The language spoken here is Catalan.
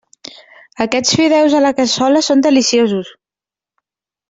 Aquests fideus a la cassola són deliciosos.